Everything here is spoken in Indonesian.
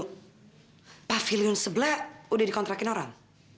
pavilion sebelah udah dikontrakin orang